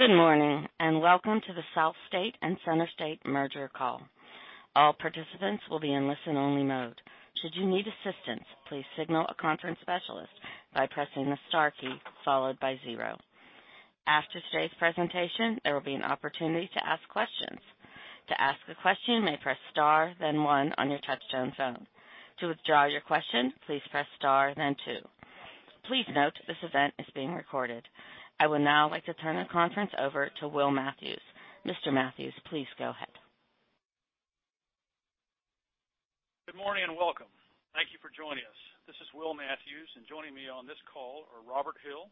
Good morning, and welcome to the SouthState and CenterState merger call. All participants will be in listen-only mode. Should you need assistance, please signal a conference specialist by pressing the star key followed by zero. After today's presentation, there will be an opportunity to ask questions. To ask a question, you may press star, then one on your touch-tone phone. To withdraw your question, please press star, then two. Please note this event is being recorded. I would now like to turn the conference over to Will Matthews. Mr. Matthews, please go ahead. Good morning, and welcome. Thank you for joining us. This is Will Matthews, and joining me on this call are Robert Hill,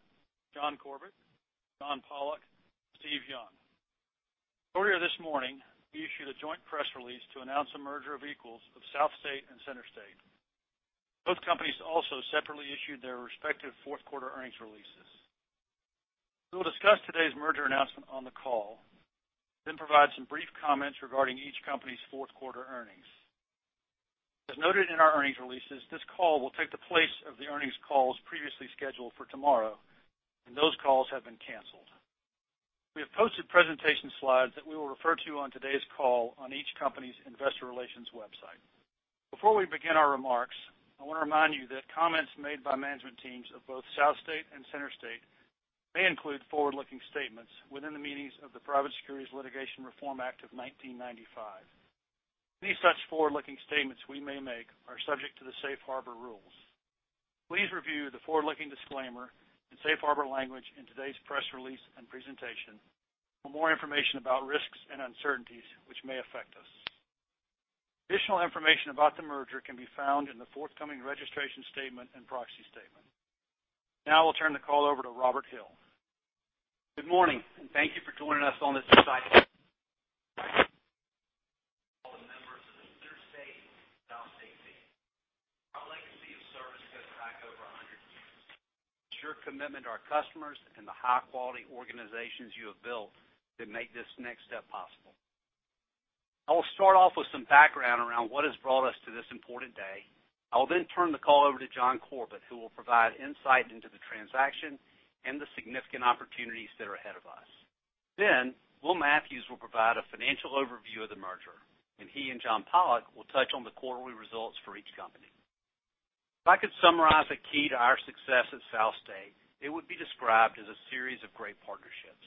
John Corbett, John Pollok, Steve Young. Earlier this morning, we issued a joint press release to announce a merger of equals of SouthState and CenterState. Both companies also separately issued their respective Q4 earnings releases. We will discuss today's merger announcement on the call, then provide some brief comments regarding each company's Q4 earnings. As noted in our earnings releases, this call will take the place of the earnings calls previously scheduled for tomorrow, and those calls have been canceled. We have posted presentation slides that we will refer to on today's call on each company's investor relations website. Before we begin our remarks, I want to remind you that comments made by management teams of both SouthState and CenterState may include forward-looking statements within the meanings of the Private Securities Litigation Reform Act of 1995. Any such forward-looking statements we may make are subject to the safe harbor rules. Please review the forward-looking disclaimer and safe harbor language in today's press release and presentation for more information about risks and uncertainties which may affect us. Additional information about the merger can be found in the forthcoming registration statement and proxy statement. Now I will turn the call over to Robert Hill. Good morning. Thank you for joining us on this exciting all the members of the CenterState, SouthState team. Our legacy of service goes back over 100 years. It's your commitment to our customers and the high-quality organizations you have built that make this next step possible. I will start off with some background around what has brought us to this important day. I will turn the call over to John Corbett, who will provide insight into the transaction and the significant opportunities that are ahead of us. Will Matthews will provide a financial overview of the merger, and he and John Pollok will touch on the quarterly results for each company. If I could summarize a key to our success at SouthState, it would be described as a series of great partnerships.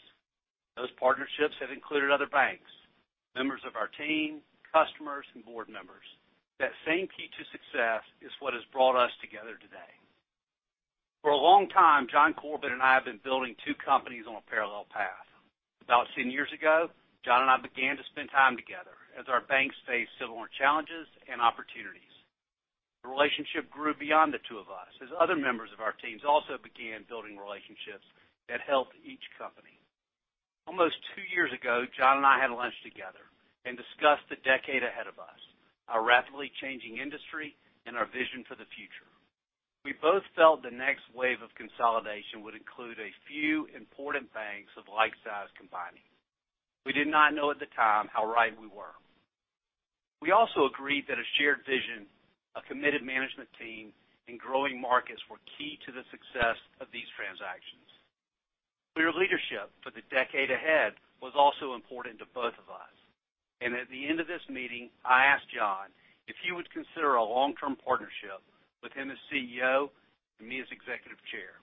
Those partnerships have included other banks, members of our team, customers, and board members. That same key to success is what has brought us together today. For a long time, John Corbett and I have been building two companies on a parallel path. About 10 years ago, John and I began to spend time together as our banks faced similar challenges and opportunities. The relationship grew beyond the two of us as other members of our teams also began building relationships that helped each company. Almost two years ago, John and I had lunch together and discussed the decade ahead of us, our rapidly changing industry, and our vision for the future. We both felt the next wave of consolidation would include a few important banks of like size combining. We did not know at the time how right we were. We also agreed that a shared vision, a committed management team, and growing markets were key to the success of these transactions. Clear leadership for the decade ahead was also important to both of us. At the end of this meeting, I asked John if he would consider a long-term partnership with him as CEO and me as Executive Chair.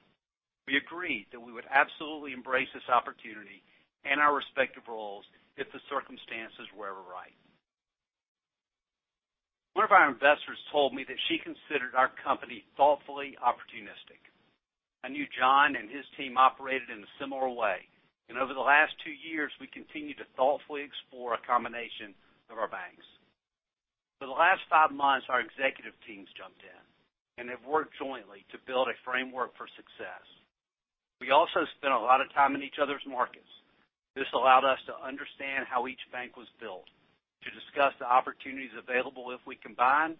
We agreed that we would absolutely embrace this opportunity in our respective roles if the circumstances were ever right. One of our investors told me that she considered our company thoughtfully opportunistic. I knew John and his team operated in a similar way, and over the last two years, we continued to thoughtfully explore a combination of our banks. For the last five months, our executive teams jumped in and have worked jointly to build a framework for success. We also spent a lot of time in each other's markets. This allowed us to understand how each bank was built, to discuss the opportunities available if we combined,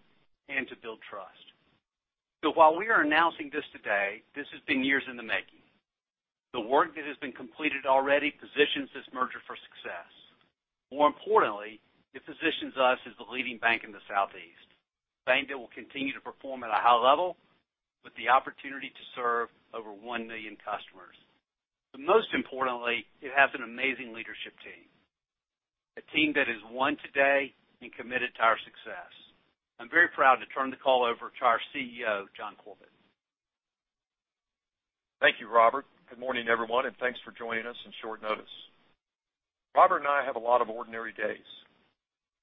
and to build trust. While we are announcing this today, this has been years in the making. The work that has been completed already positions this merger for success. More importantly, it positions us as the leading bank in the Southeast, a bank that will continue to perform at a high level with the opportunity to serve over one million customers. Most importantly, it has an amazing leadership team, a team that has won today and committed to our success. I'm very proud to turn the call over to our CEO, John Corbett. Thank you, Robert. Good morning, everyone, and thanks for joining us on short notice. Robert and I have a lot of ordinary days.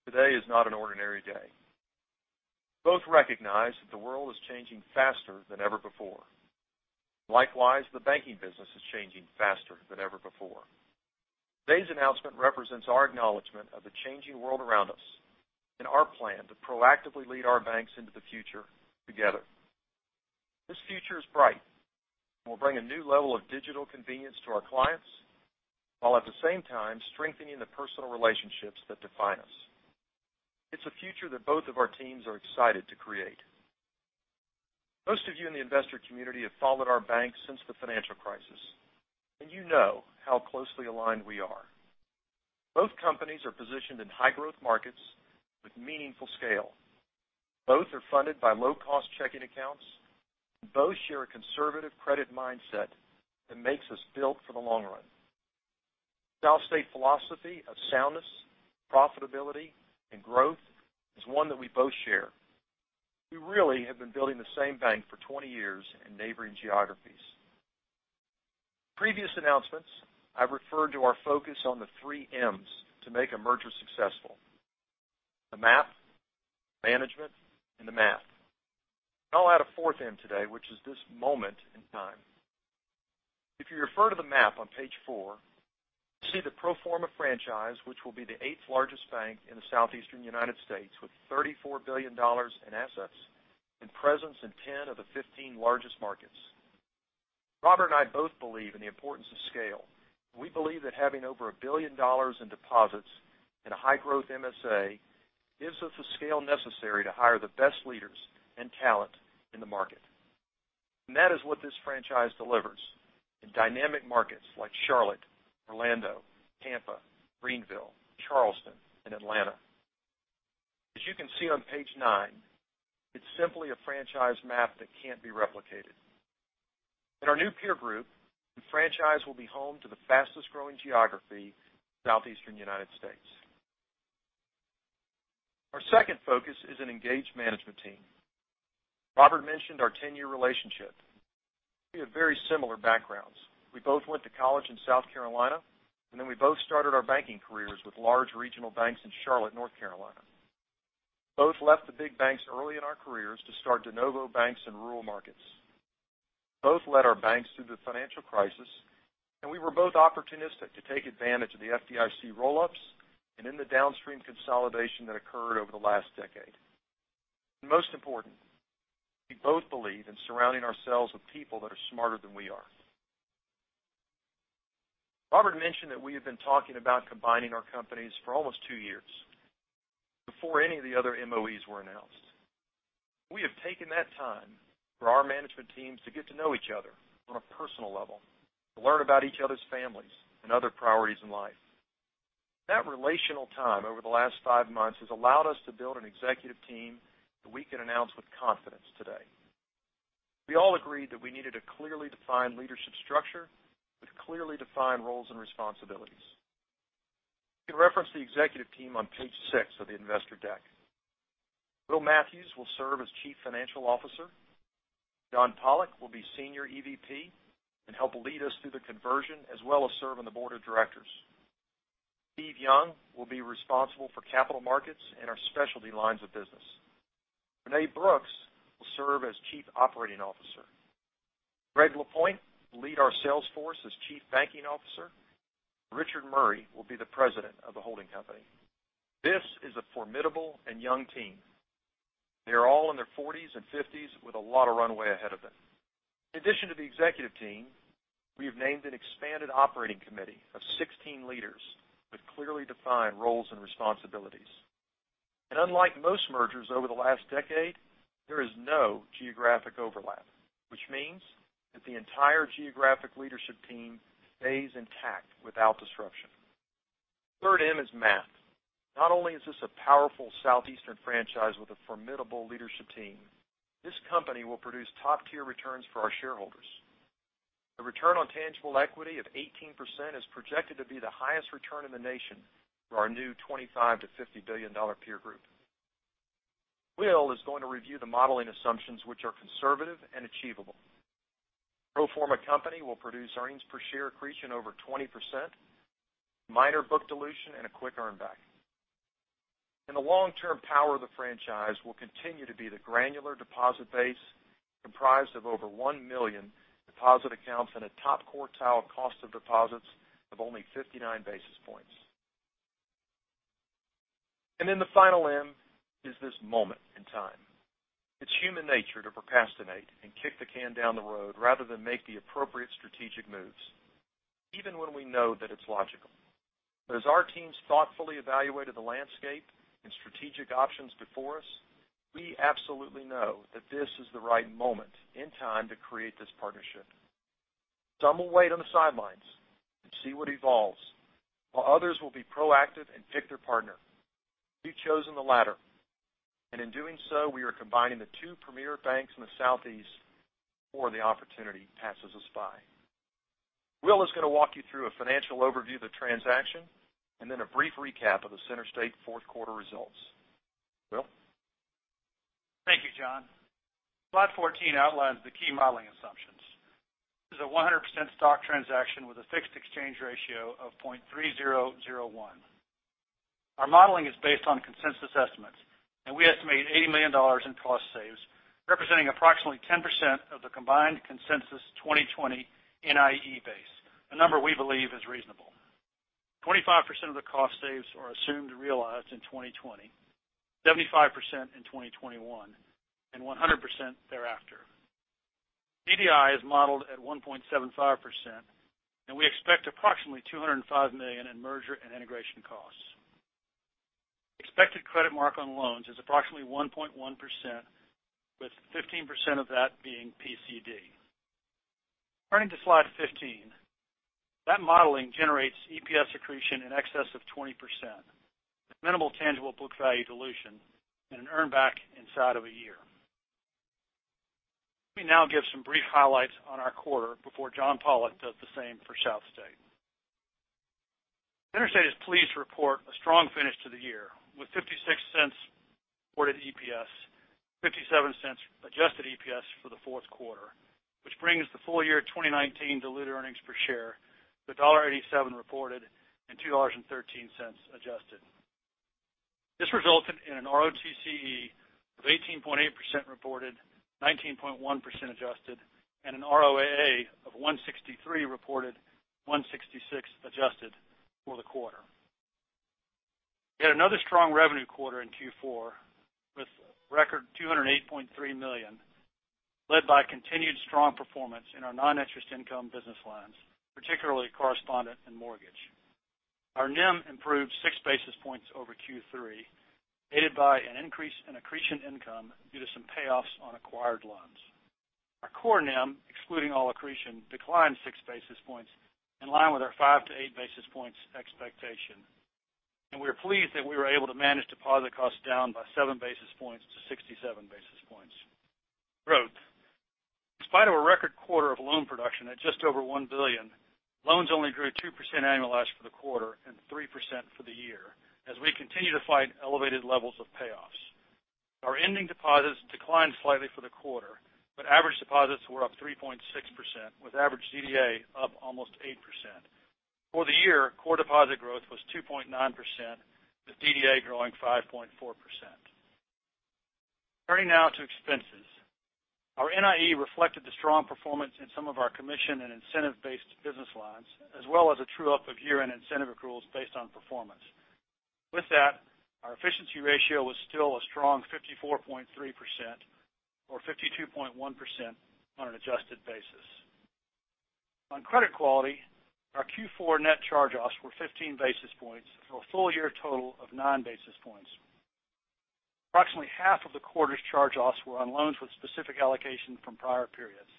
Today is not an ordinary day. We both recognize that the world is changing faster than ever before. Likewise, the banking business is changing faster than ever before. Today's announcement represents our acknowledgment of the changing world around us and our plan to proactively lead our banks into the future together. This future is bright and will bring a new level of digital convenience to our clients, while at the same time strengthening the personal relationships that define us. It's a future that both of our teams are excited to create. Most of you in the investor community have followed our banks since the financial crisis, and you know how closely aligned we are. Both companies are positioned in high-growth markets with meaningful scale. Both are funded by low-cost checking accounts. Both share a conservative credit mindset that makes us built for the long run. SouthState philosophy of soundness, profitability, and growth is one that we both share. We really have been building the same bank for 20 years in neighboring geographies. Previous announcements, I've referred to our focus on the three Ms to make a merger successful: the map, management, and the math. I'll add a fourth M today, which is this moment in time. If you refer to the map on page four, you see the pro forma franchise, which will be the eighth largest bank in the Southeastern United States with $34 billion in assets and presence in 10 of the 15 largest markets. Robert and I both believe in the importance of scale. We believe that having over $1 billion in deposits in a high-growth MSA gives us the scale necessary to hire the best leaders and talent in the market. That is what this franchise delivers in dynamic markets like Charlotte, Orlando, Tampa, Greenville, Charleston, and Atlanta. As you can see on page nine, it's simply a franchise map that can't be replicated. In our new peer group, the franchise will be home to the fastest-growing geography in Southeastern United States. Our second focus is an engaged management team. Robert mentioned our 10-year relationship. We have very similar backgrounds. We both went to college in South Carolina, and then we both started our banking careers with large regional banks in Charlotte, North Carolina. Both left the big banks early in our careers to start de novo banks in rural markets. Both led our banks through the financial crisis, and we were both opportunistic to take advantage of the FDIC roll-ups and in the downstream consolidation that occurred over the last decade. Most important, we both believe in surrounding ourselves with people that are smarter than we are. Robert mentioned that we have been talking about combining our companies for almost two years, before any of the other MOEs were announced. We have taken that time for our management teams to get to know each other on a personal level, to learn about each other's families and other priorities in life. That relational time over the last five months has allowed us to build an executive team that we can announce with confidence today. We all agreed that we needed a clearly defined leadership structure with clearly defined roles and responsibilities. You can reference the executive team on page six of the investor deck. Will Matthews will serve as Chief Financial Officer. John Pollok will be Senior EVP and help lead us through the conversion, as well as serve on the board of directors. Steve Young will be responsible for capital markets and our specialty lines of business. Renee Brooks will serve as Chief Operating Officer. Greg Lapointe will lead our sales force as Chief Banking Officer. Richard Murray will be the President of the holding company. This is a formidable and young team. They are all in their 40s and 50s with a lot of runway ahead of them. In addition to the executive team, we have named an expanded operating committee of 16 leaders with clearly defined roles and responsibilities. Unlike most mergers over the last decade, there is no geographic overlap, which means that the entire geographic leadership team stays intact without disruption. Third M is math. Not only is this a powerful Southeastern franchise with a formidable leadership team, this company will produce top-tier returns for our shareholders. The return on tangible equity of 18% is projected to be the highest return in the nation for our new $25 billion-$50 billion peer group. Will is going to review the modeling assumptions, which are conservative and achievable. Pro forma company will produce earnings per share accretion over 20%, minor book dilution, and a quick earn back. The long-term power of the franchise will continue to be the granular deposit base comprised of over one million deposit accounts and a top quartile cost of deposits of only 59 basis points. Then the final M is this moment in time. It's human nature to procrastinate and kick the can down the road rather than make the appropriate strategic moves, even when we know that it's logical. As our teams thoughtfully evaluated the landscape and strategic options before us, we absolutely know that this is the right moment in time to create this partnership. Some will wait on the sidelines and see what evolves, while others will be proactive and pick their partner. We've chosen the latter, and in doing so, we are combining the two premier banks in the Southeast before the opportunity passes us by. Will is going to walk you through a financial overview of the transaction and then a brief recap of the CenterState Q4 results. Will? Thank you, John. Slide 14 outlines the key modeling assumptions. This is a 100% stock transaction with a fixed exchange ratio of 0.3001. Our modeling is based on consensus estimates, and we estimate $80 million in cost saves, representing approximately 10% of the combined consensus 2020 NIE base, a number we believe is reasonable. 25% of the cost saves are assumed realized in 2020, 75% in 2021, and 100% thereafter. CDI is modeled at 1.75%, and we expect approximately $205 million in merger and integration costs. Expected credit mark on loans is approximately 1.1%, with 15% of that being PCD. Turning to slide 15, that modeling generates EPS accretion in excess of 20%, with minimal tangible book value dilution and an earn back inside of a year. Let me now give some brief highlights on our quarter before John Pollok does the same for SouthState. CenterState is pleased to report a strong finish to the year with $0.56 reported EPS, $0.57 adjusted EPS for the Q4, which brings the full year 2019 diluted earnings per share to $1.87 reported and $2.13 adjusted. This resulted in an ROTCE of 18.8% reported, 19.1% adjusted, and an ROAA of 163% reported, 166% adjusted for the quarter. We had another strong revenue quarter in Q4 with record $208.3 million, led by continued strong performance in our non-interest income business lines, particularly correspondent and mortgage. Our NIM improved 6 basis points over Q3, aided by an increase in accretion income due to some payoffs on acquired loans. Our core NIM, excluding all accretion, declined 6 basis points, in line with our 5-8 basis points expectation. We are pleased that we were able to manage deposit costs down by seven basis points to 67 basis points. Growth. In spite of a record quarter of loan production at just over $1 billion, loans only grew 2% annualized for the quarter and 3% for the year, as we continue to fight elevated levels of payoffs. Our ending deposits declined slightly for the quarter, but average deposits were up 3.6%, with average DDA up almost 8%. For the year, core deposit growth was 2.9%, with DDA growing 5.4%. Turning now to expenses. Our NIE reflected the strong performance in some of our commission and incentive-based business lines, as well as a true-up of year-end incentive accruals based on performance. With that, our efficiency ratio was still a strong 54.3%, or 52.1% on an adjusted basis. On credit quality, our Q4 net charge-offs were 15 basis points for a full year total of nine basis points. Approximately half of the quarter's charge-offs were on loans with specific allocation from prior periods.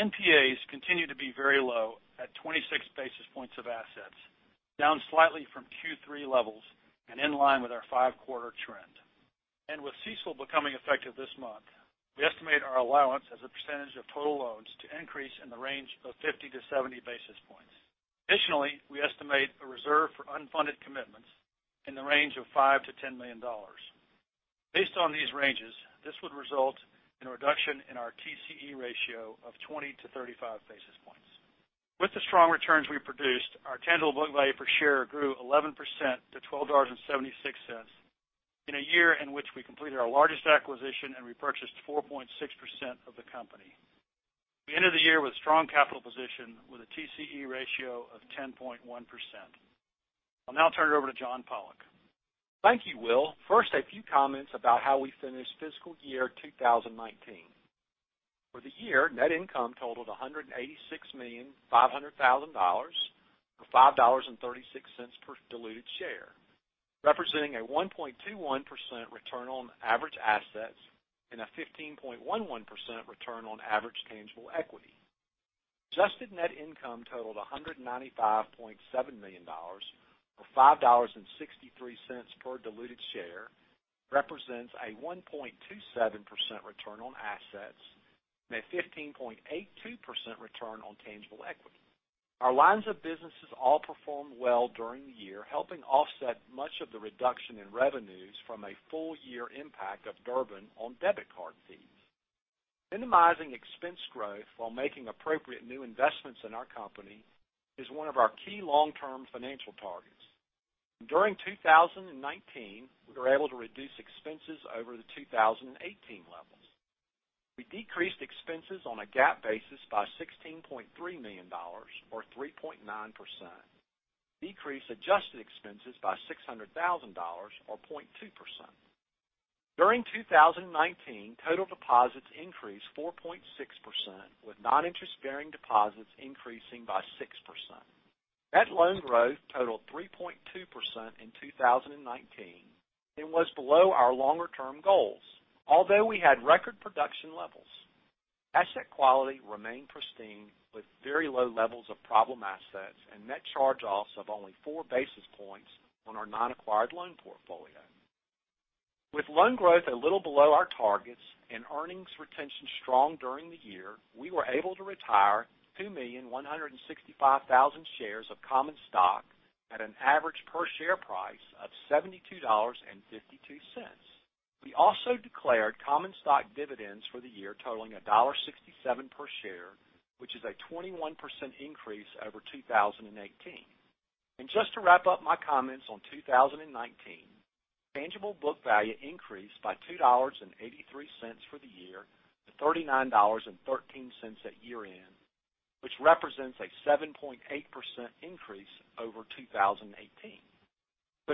NPAs continue to be very low at 26 basis points of assets, down slightly from Q3 levels and in line with our five-quarter trend. With CECL becoming effective this month, we estimate our allowance as a percentage of total loans to increase in the range of 50-70 basis points. Additionally, we estimate a reserve for unfunded commitments in the range of $5 million-$10 million. Based on these ranges, this would result in a reduction in our TCE ratio of 20-35 basis points. With the strong returns we produced, our tangible book value per share grew 11% to $12.76 in a year in which we completed our largest acquisition and repurchased 4.6% of the company. We ended the year with strong capital position with a TCE ratio of 10.1%. I'll now turn it over to John Pollok. Thank you, Will. First, a few comments about how we finished fiscal year 2019. For the year, net income totaled $186,500,000, or $5.36 per diluted share, representing a 1.21% return on average assets and a 15.11% return on average tangible equity. Adjusted net income totaled $195.7 million, or $5.63 per diluted share, represents a 1.27% return on assets and a 15.82% return on tangible equity. Our lines of businesses all performed well during the year, helping offset much of the reduction in revenues from a full year impact of Durbin on debit card fees. Minimizing expense growth while making appropriate new investments in our company is one of our key long-term financial targets. During 2019, we were able to reduce expenses over the 2018 levels. We decreased expenses on a GAAP basis by $16.3 million, or 3.9%, decreased adjusted expenses by $600,000, or 0.2%. During 2019, total deposits increased 4.6%, with non-interest-bearing deposits increasing by 6%. Net loan growth totaled 3.2% in 2019 and was below our longer-term goals, although we had record production levels. Asset quality remained pristine with very low levels of problem assets and net charge-offs of only four basis points on our non-acquired loan portfolio. With loan growth a little below our targets and earnings retention strong during the year, we were able to retire 2,165,000 shares of common stock at an average per share price of $72.52. We also declared common stock dividends for the year totaling $1.67 per share, which is a 21% increase over 2018. Just to wrap up my comments on 2019, tangible book value increased by $2.83 for the year to $39.13 at year-end, which represents a 7.8% increase over 2018.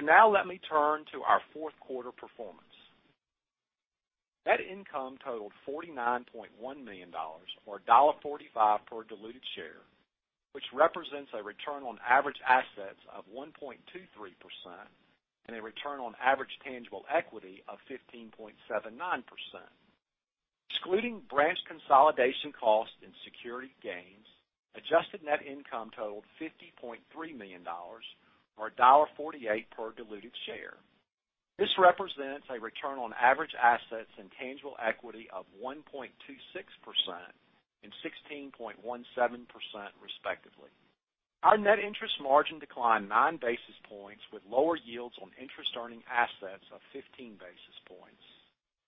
Now let me turn to our Q4 performance. Net income totaled $49.1 million, or $1.45 per diluted share, which represents a return on average assets of 1.23% and a return on average tangible equity of 15.79%. Excluding branch consolidation costs and security gains, adjusted net income totaled $50.3 million, or $1.48 per diluted share. This represents a return on average assets and tangible equity of 1.26% and 16.17%, respectively. Our net interest margin declined 9 basis points, with lower yields on interest-earning assets of 15 basis points,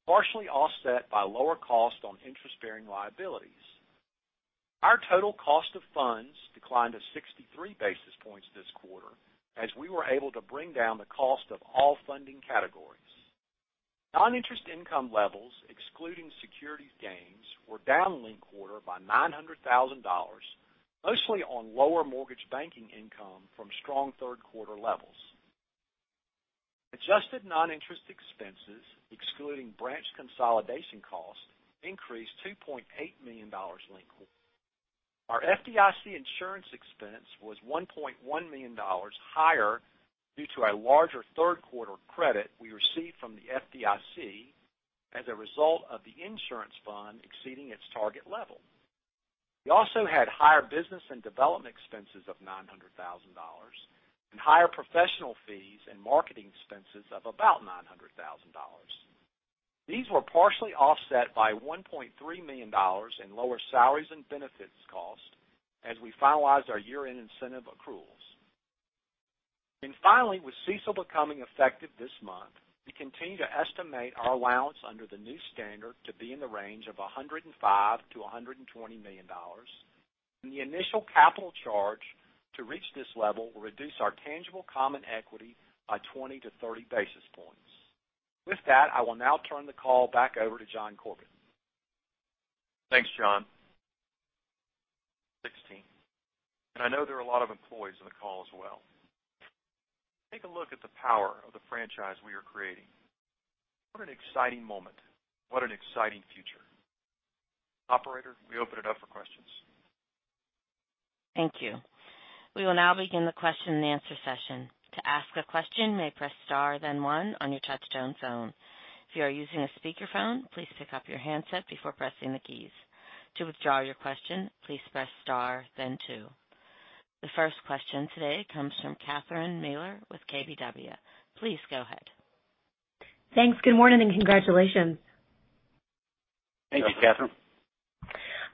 partially offset by lower cost on interest-bearing liabilities. Our total cost of funds declined to 63 basis points this quarter, as we were able to bring down the cost of all funding categories. Non-interest income levels, excluding securities gains, were down linked quarter by $900,000, mostly on lower mortgage banking income from strong Q3 levels. Adjusted non-interest expenses, excluding branch consolidation cost, increased $2.8 million linked quarter. Our FDIC insurance expense was $1.1 million higher due to a larger Q3 credit we received from the FDIC as a result of the insurance fund exceeding its target level. We also had higher business and development expenses of $900,000 and higher professional fees and marketing expenses of about $900,000. These were partially offset by $1.3 million in lower salaries and benefits cost as we finalized our year-end incentive accruals. Finally, with CECL becoming effective this month, we continue to estimate our allowance under the new standard to be in the range of $105 million-$120 million. The initial capital charge to reach this level will reduce our tangible common equity by 20-30 basis points. With that, I will now turn the call back over to John Corbett. Thanks, John. 16. I know there are a lot of employees on the call as well. Take a look at the power of the franchise we are creating. What an exciting moment. What an exciting future. Operator, we open it up for questions. Thank you. We will now begin the question and answer session. To ask a question, you may press star then one on your touchtone phone. If you are using a speakerphone, please pick up your handset before pressing the keys. To withdraw your question, please press star then two. The first question today comes from Catherine Mealor with KBW. Please go ahead. Thanks. Good morning and congratulations. Thank you. Thanks, Catherine.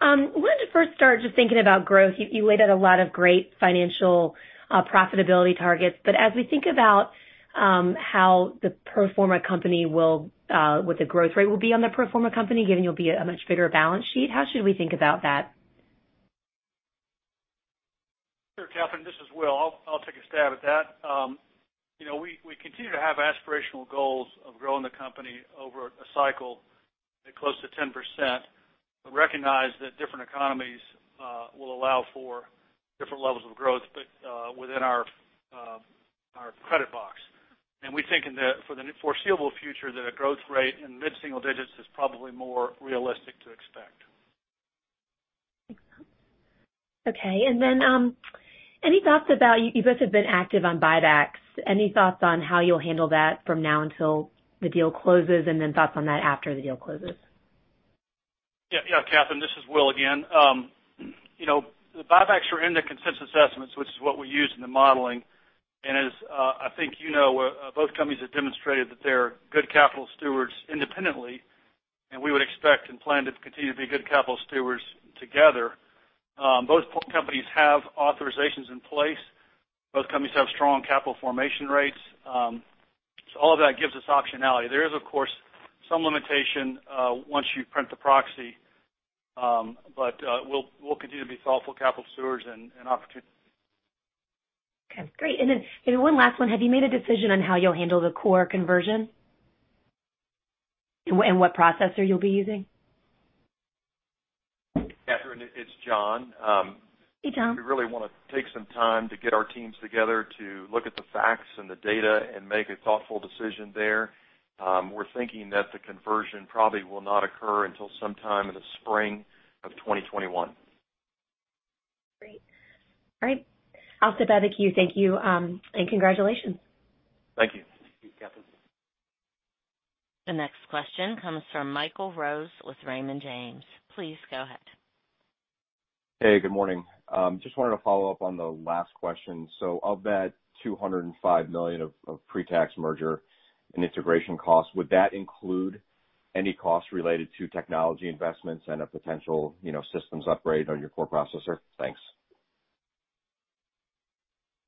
Wanted to first start just thinking about growth. You laid out a lot of great financial profitability targets, but as we think about what the growth rate will be on the pro forma company, given you'll be a much bigger balance sheet, how should we think about that? Sure, Catherine, this is Will. I'll take a stab at that. We continue to have aspirational goals of growing the company over a cycle at close to 10%, but recognize that different economies will allow for different levels of growth, but within our credit box. We think for the foreseeable future that a growth rate in mid-single-digits is probably more realistic to expect. Okay. Any thoughts about, you both have been active on buybacks? Any thoughts on how you'll handle that from now until the deal closes, and then thoughts on that after the deal closes? Yeah, Catherine, this is Will again. The buybacks were in the consensus estimates, which is what we use in the modeling. As I think you know, both companies have demonstrated that they're good capital stewards independently, and we would expect and plan to continue to be good capital stewards together. Both companies have authorizations in place. Both companies have strong capital formation rates. All of that gives us optionality. There is, of course, some limitation once you print the proxy. We'll continue to be thoughtful capital stewards and opportunity. Okay, great. One last one. Have you made a decision on how you'll handle the core conversion and what processor you'll be using? Catherine, it's John. Hey, John. We really want to take some time to get our teams together to look at the facts and the data and make a thoughtful decision there. We're thinking that the conversion probably will not occur until sometime in the spring of 2021. Great. All right. I'll step out of the queue. Thank you, and congratulations. Thank you. Thank you, Catherine. The next question comes from Michael Rose with Raymond James. Please go ahead. Good morning. Just wanted to follow up on the last question. Of that $205 million of pre-tax merger and integration costs, would that include any costs related to technology investments and a potential systems upgrade on your core processor? Thanks.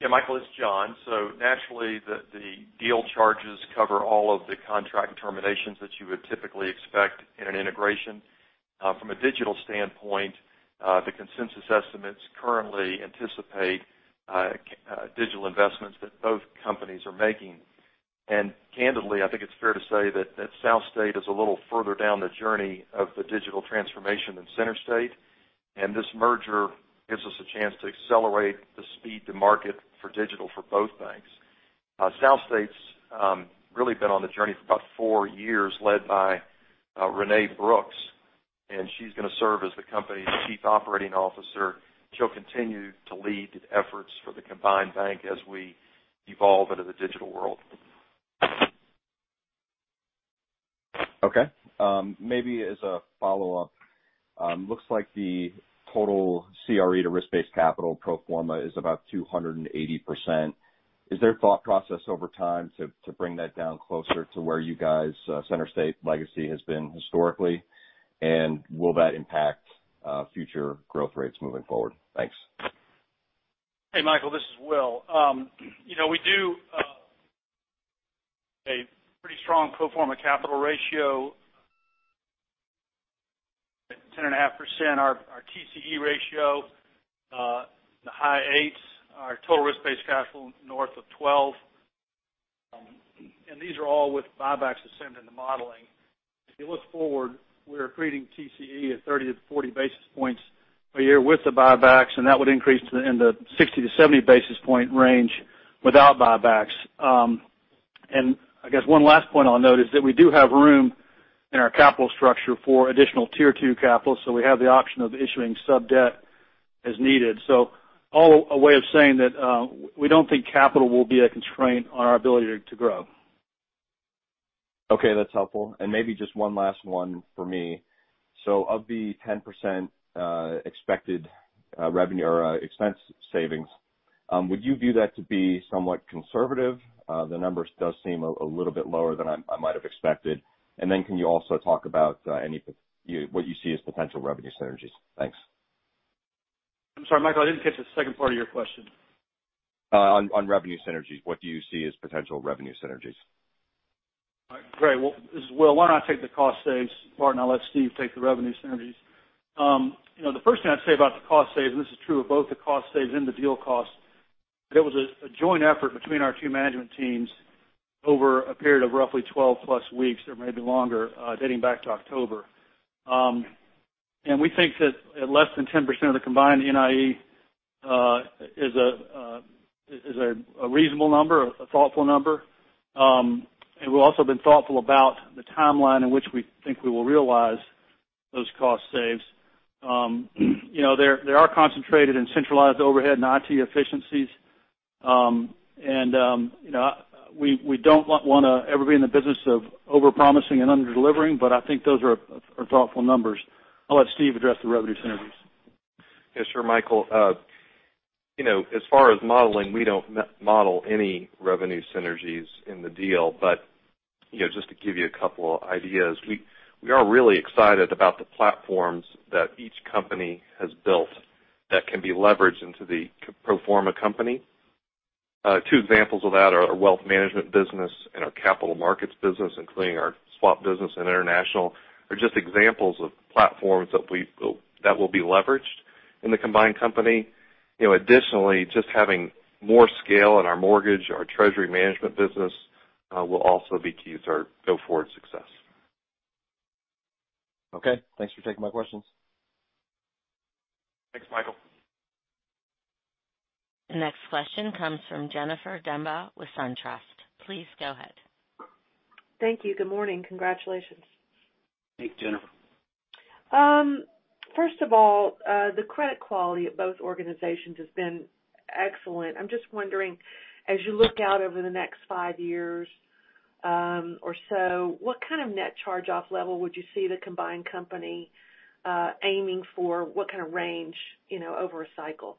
Yeah, Michael, it's John. Naturally, the deal charges cover all of the contract terminations that you would typically expect in an integration. From a digital standpoint, the consensus estimates currently anticipate digital investments that both companies are making. Candidly, I think it's fair to say that SouthState is a little further down the journey of the digital transformation than CenterState, and this merger gives us a chance to accelerate the speed to market for digital for both banks. SouthState's really been on the journey for about four years, led by Renee Brooks, and she's going to serve as the company's Chief Operating Officer. She'll continue to lead efforts for the combined bank as we evolve into the digital world. Okay. Maybe as a follow-up, looks like the total CRE to risk-based capital pro forma is about 280%. Is there a thought process over time to bring that down closer to where you guys, CenterState legacy, has been historically? Will that impact future growth rates moving forward? Thanks. Hey, Michael, this is Will. We do a pretty strong pro forma capital ratio, 10.5%, our TCE ratio, the high eights, our total risk-based capital north of 12. These are all with buybacks assumed in the modeling. If you look forward, we're accreting TCE at 30-40 basis points a year with the buybacks, and that would increase in the 60-70 basis point range without buybacks. I guess one last point I'll note is that we do have room in our capital structure for additional Tier II capital, so we have the option of issuing sub-debt as needed. All a way of saying that we don't think capital will be a constraint on our ability to grow. Okay, that's helpful. Maybe just one last one for me. Of the 10% expected expense savings, would you view that to be somewhat conservative? The numbers do seem a little bit lower than I might have expected. Can you also talk about what you see as potential revenue synergies? Thanks. I'm sorry, Michael, I didn't catch the second part of your question. On revenue synergies, what do you see as potential revenue synergies? Great. Well, this is Will. Why don't I take the cost saves part, and I'll let Steve take the revenue synergies. The first thing I'd say about the cost saves, and this is true of both the cost saves and the deal cost, there was a joint effort between our two management teams over a period of roughly 12+ weeks or maybe longer, dating back to October. We think that less than 10% of the combined NIE is a reasonable number, a thoughtful number. We've also been thoughtful about the timeline in which we think we will realize those cost saves. They are concentrated in centralized overhead and IT efficiencies. We don't want to ever be in the business of over-promising and under-delivering, but I think those are thoughtful numbers. I'll let Steve address the revenue synergies. Yes, sure, Michael. As far as modeling, we don't model any revenue synergies in the deal. Just to give you a couple of ideas, we are really excited about the platforms that each company has built that can be leveraged into the pro forma company. Two examples of that are our wealth management business and our capital markets business, including our swap business and international, are just examples of platforms that will be leveraged in the combined company. Additionally, just having more scale in our mortgage, our treasury management business will also be key to our go-forward success. Okay. Thanks for taking my questions. Thanks, Michael. The next question comes from Jennifer Demba with SunTrust. Please go ahead. Thank you. Good morning. Congratulations. Thanks, Jennifer. First of all, the credit quality of both organizations has been excellent. I'm just wondering, as you look out over the next five years or so, what kind of net charge-off level would you see the combined company aiming for? What kind of range over a cycle?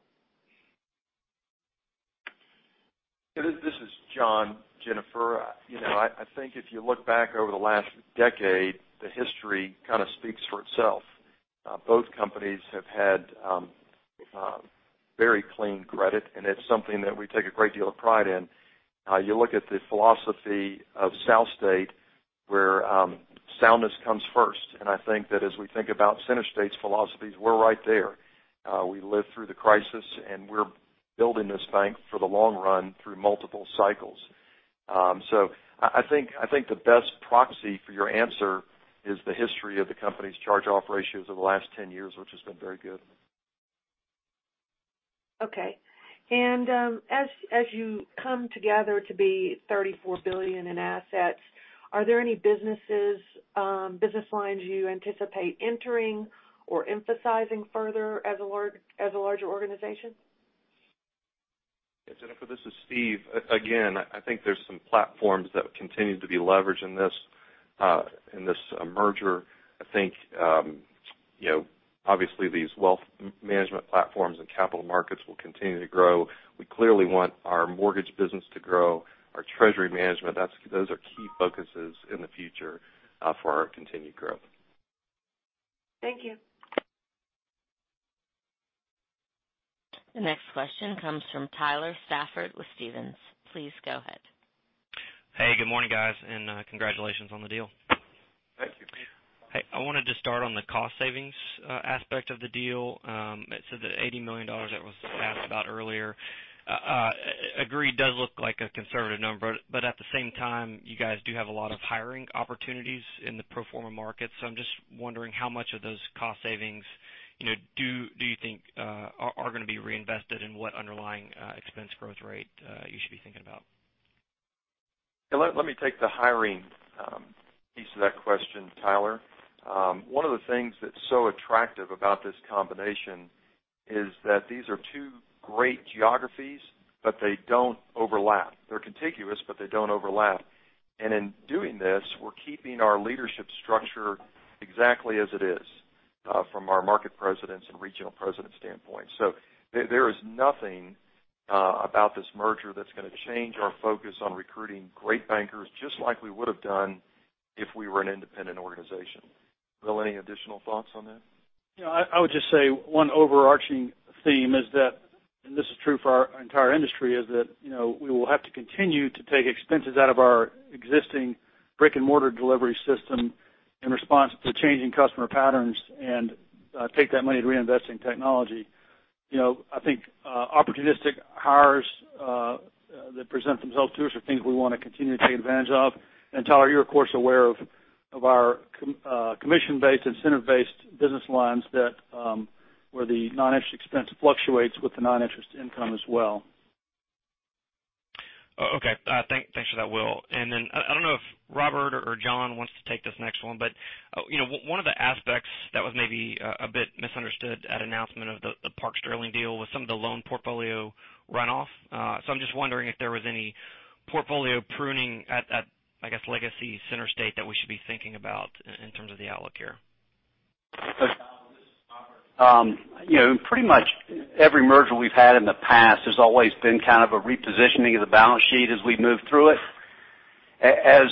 This is John, Jennifer. I think if you look back over the last decade, the history kind of speaks for itself. Both companies have had very clean credit, and it's something that we take a great deal of pride in. You look at the philosophy of SouthState, where soundness comes first, and I think that as we think about CenterState's philosophies, we're right there. We lived through the crisis, and we're building this bank for the long run through multiple cycles. I think the best proxy for your answer is the history of the company's charge-off ratios over the last 10 years, which has been very good. Okay. As you come together to be $34 billion in assets, are there any business lines you anticipate entering or emphasizing further as a larger organization? Yes, Jennifer, this is Steve. Again, I think there's some platforms that continue to be leveraged in this merger. I think obviously these wealth management platforms and capital markets will continue to grow. We clearly want our mortgage business to grow, our treasury management. Those are key focuses in the future for our continued growth. Thank you. The next question comes from Tyler Stafford with Stephens. Please go ahead. Hey, good morning, guys, and congratulations on the deal. Thank you. Hey, I wanted to start on the cost savings aspect of the deal. It said that $80 million that was asked about earlier, agreed, does look like a conservative number. At the same time, you guys do have a lot of hiring opportunities in the pro forma market. I'm just wondering how much of those cost savings do you think are going to be reinvested and what underlying expense growth rate you should be thinking about? Let me take the hiring piece of that question, Tyler. One of the things that's so attractive about this combination is that these are two great geographies, but they don't overlap. They're contiguous, but they don't overlap. In doing this, we're keeping our leadership structure exactly as it is from our market presidents and regional president standpoint. There is nothing about this merger that's going to change our focus on recruiting great bankers, just like we would have done if we were an independent organization. Will, any additional thoughts on that? Yeah, I would just say one overarching theme is that, and this is true for our entire industry, is that we will have to continue to take expenses out of our existing brick and mortar delivery system in response to changing customer patterns and take that money to reinvest in technology. I think opportunistic hires that present themselves to us are things we want to continue to take advantage of. Tyler, you're, of course, aware of our commission-based, incentive-based business lines where the non-interest expense fluctuates with the non-interest income as well. Okay. Thanks for that, Will. I don't know if Robert or John wants to take this next one of the aspects that was maybe a bit misunderstood at announcement of the Park Sterling deal was some of the loan portfolio runoff. I'm just wondering if there was any portfolio pruning at, I guess, legacy CenterState that we should be thinking about in terms of the outlook here. This is Robert. Pretty much every merger we've had in the past has always been kind of a repositioning of the balance sheet as we move through it. As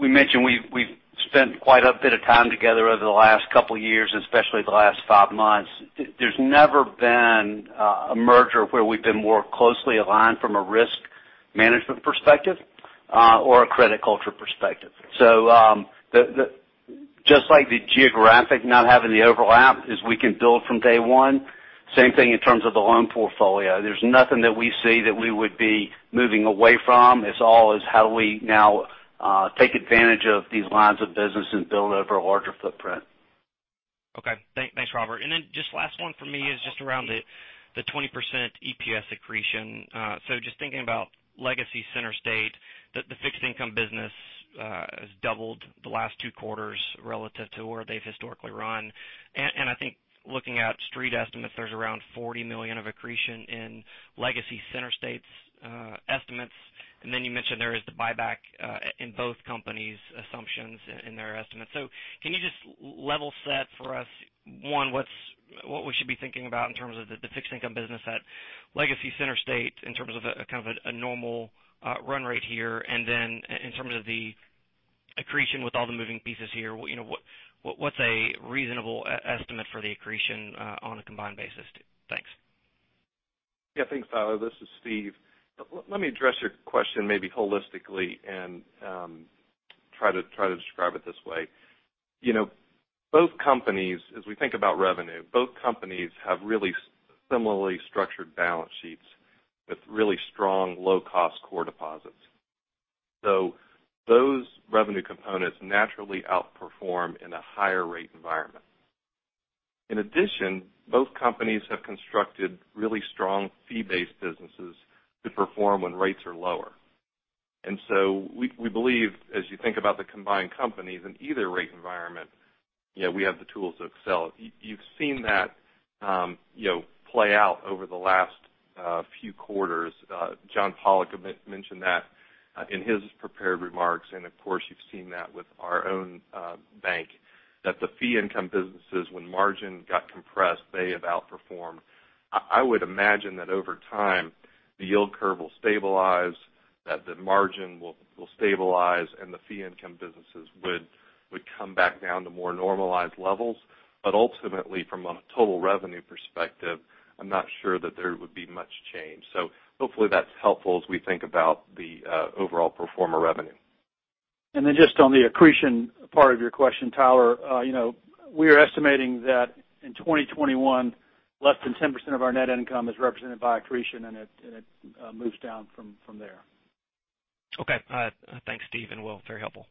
we mentioned, we've spent quite a bit of time together over the last couple of years, especially the last five months. There's never been a merger where we've been more closely aligned from a risk management perspective or a credit culture perspective. Just like the geographic not having the overlap is we can build from day one, same thing in terms of the loan portfolio. There's nothing that we see that we would be moving away from. It's all is how we now take advantage of these lines of business and build over a larger footprint. Okay. Thanks, Robert. Then just last one for me is just around the 20% EPS accretion. Just thinking about legacy CenterState, the fixed income business has doubled the last two quarters relative to where they've historically run. I think looking at street estimates, there's around $40 million of accretion in legacy CenterState's estimates. Then you mentioned there is the buyback in both companies' assumptions in their estimates. Can you just level set for us, one, what we should be thinking about in terms of the fixed income business at legacy CenterState in terms of a normal run rate here? Then in terms of the accretion with all the moving pieces here, what's a reasonable estimate for the accretion on a combined basis? Thanks. Yeah, thanks, Tyler. This is Steve. Let me address your question maybe holistically and try to describe it this way. We think about revenue, both companies have really similarly structured balance sheets with really strong low-cost core deposits. Those revenue components naturally outperform in a higher rate environment. In addition, both companies have constructed really strong fee-based businesses to perform when rates are lower. We believe as you think about the combined companies in either rate environment, we have the tools to excel. You've seen that play out over the last few quarters. John Pollok mentioned that in his prepared remarks, of course, you've seen that with our own bank, that the fee income businesses, when margin got compressed, they have outperformed. I would imagine that over time, the yield curve will stabilize, that the margin will stabilize, and the fee income businesses would come back down to more normalized levels. Ultimately, from a total revenue perspective, I'm not sure that there would be much change. Hopefully that's helpful as we think about the overall pro forma revenue. Just on the accretion part of your question, Tyler, we are estimating that in 2021, less than 10% of our net income is represented by accretion, and it moves down from there. Okay. Thanks, Steve and Will. Very helpful.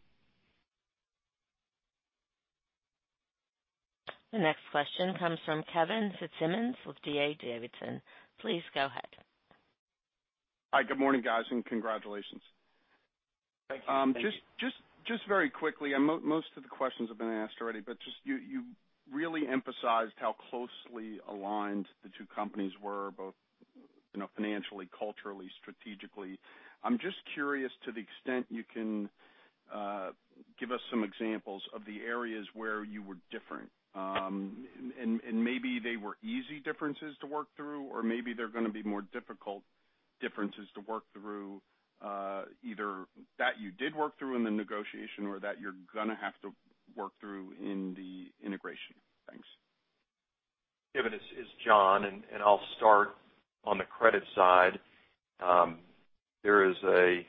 The next question comes from Kevin Fitzsimmons with D.A. Davidson. Please go ahead. Hi. Good morning, guys, and congratulations. Thank you. Just very quickly, and most of the questions have been asked already, but just you really emphasized how closely aligned the two companies were, both financially, culturally, strategically. I'm just curious to the extent you can give us some examples of the areas where you were different. Maybe they were easy differences to work through or maybe they're going to be more difficult differences to work through, either that you did work through in the negotiation or that you're going to have to work through in the integration. Thanks. Kevin, it's John. I'll start on the credit side. There's a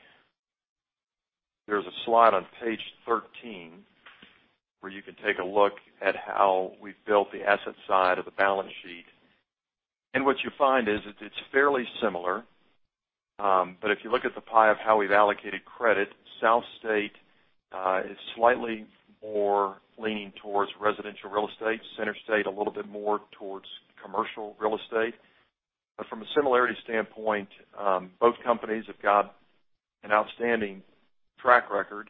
slide on page 13 where you can take a look at how we've built the asset side of the balance sheet. What you find is it's fairly similar. If you look at the pie of how we've allocated credit, SouthState is slightly more leaning towards residential real estate, CenterState a little bit more towards commercial real estate. From a similarity standpoint, both companies have got an outstanding track record.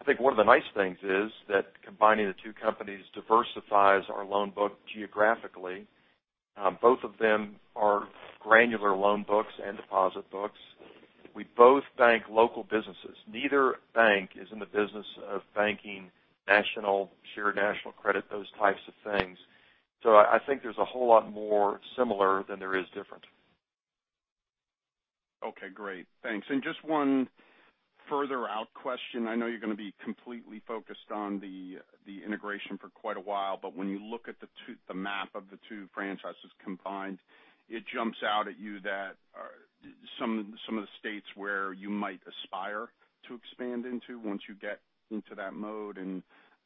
I think one of the nice things is that combining the two companies diversifies our loan book geographically. Both of them are granular loan books and deposit books. We both bank local businesses. Neither bank is in the business of banking national, shared national credit, those types of things. I think there's a whole lot more similar than there is different. Okay, great. Thanks. Just one further out question. I know you're going to be completely focused on the integration for quite a while, but when you look at the map of the two franchises combined, it jumps out at you that some of the states where you might aspire to expand into once you get into that mode and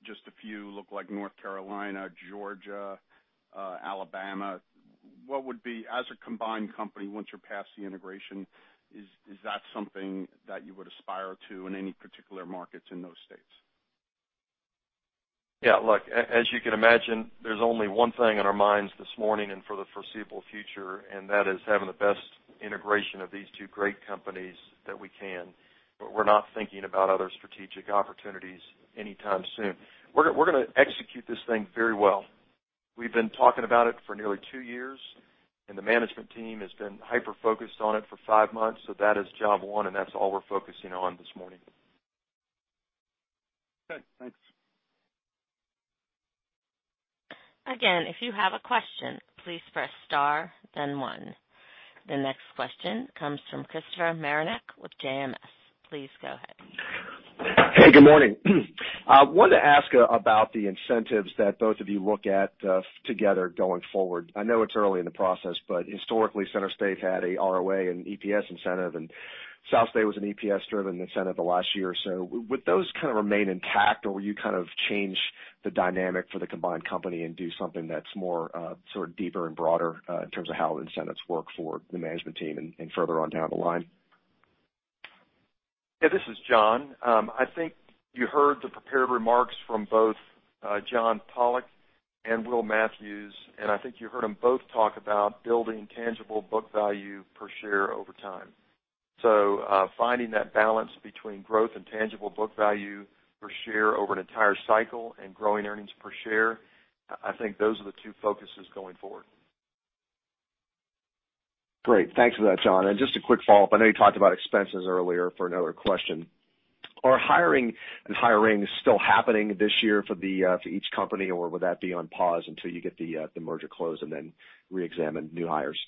just a few look like North Carolina, Georgia, Alabama. What would be, as a combined company, once you're past the integration, is that something that you would aspire to in any particular markets in those states? Look, as you can imagine, there's only one thing on our minds this morning and for the foreseeable future, and that is having the best integration of these two great companies that we can. We're not thinking about other strategic opportunities anytime soon. We're going to execute this thing very well. We've been talking about it for nearly two years, and the management team has been hyper-focused on it for five months. That is job one, and that's all we're focusing on this morning. Okay, thanks. Again, if you have a question, please press star then one. The next question comes from Christopher Marinac with JMS. Please go ahead. Hey, good morning. Wanted to ask about the incentives that both of you look at together going forward. I know it's early in the process, but historically CenterState had a ROA and EPS incentive, and SouthState was an EPS-driven incentive the last year or so. Would those kind of remain intact, or will you kind of change the dynamic for the combined company and do something that's more sort of deeper and broader in terms of how the incentives work for the management team and further on down the line? This is John. I think you heard the prepared remarks from both John Pollok and Will Matthews, I think you heard them both talk about building tangible book value per share over time. Finding that balance between growth and tangible book value per share over an entire cycle and growing earnings per share, I think those are the two focuses going forward. Great. Thanks for that, John. Just a quick follow-up. I know you talked about expenses earlier for another question. Are hiring and hiring still happening this year for each company, or would that be on pause until you get the merger closed and then reexamine new hires?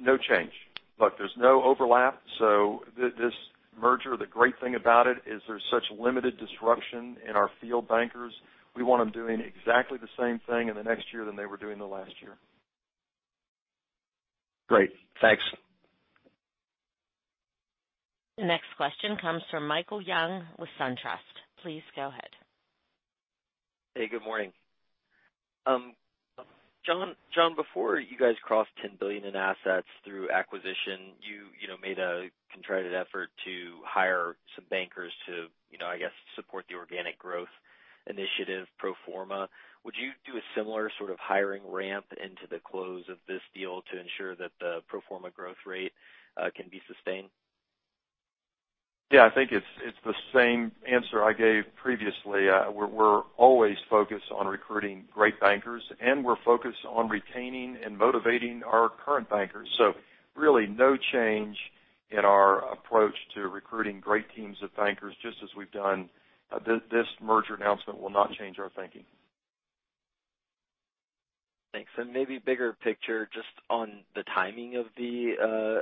No change. Look, there's no overlap. This merger, the great thing about it is there's such limited disruption in our field bankers. We want them doing exactly the same thing in the next year than they were doing the last year. Great. Thanks. The next question comes from Michael Young with SunTrust. Please go ahead. Hey, good morning. John, before you guys crossed $10 billion in assets through acquisition, you made a concerted effort to hire some bankers to, I guess, support the organic growth initiative pro forma. Would you do a similar sort of hiring ramp into the close of this deal to ensure that the pro forma growth rate can be sustained? Yeah, I think it's the same answer I gave previously. We're always focused on recruiting great bankers and we're focused on retaining and motivating our current bankers. Really no change in our approach to recruiting great teams of bankers, just as we've done. This merger announcement will not change our thinking. Thanks. Maybe bigger picture just on the timing of the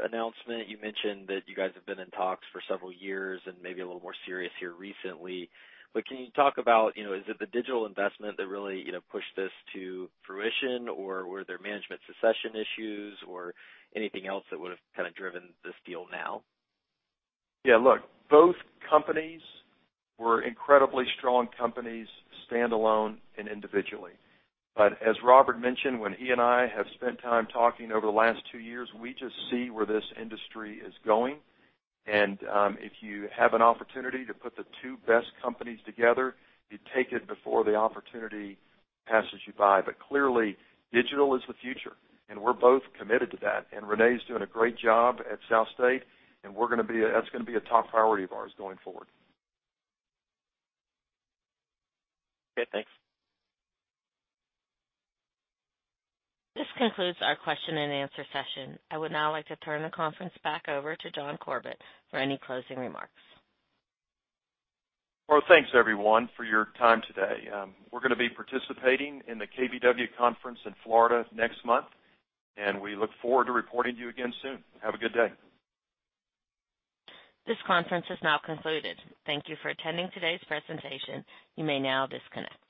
announcement. You mentioned that you guys have been in talks for several years and maybe a little more serious here recently. But can you talk about, is it the digital investment that really pushed this to fruition, or were there management succession issues or anything else that would have kind of driven this deal now? Yeah, look, both companies were incredibly strong companies, standalone and individually. As Robert mentioned, when he and I have spent time talking over the last two years, we just see where this industry is going. If you have an opportunity to put the two best companies together, you take it before the opportunity passes you by. Clearly, digital is the future, and we're both committed to that. Renee is doing a great job at SouthState, and that's going to be a top priority of ours going forward. Okay, thanks. This concludes our question and answer session. I would now like to turn the conference back over to John Corbett for any closing remarks. Well, thanks everyone for your time today. We're going to be participating in the KBW conference in Florida next month. We look forward to reporting to you again soon. Have a good day. This conference is now concluded. Thank you for attending today's presentation. You may now disconnect.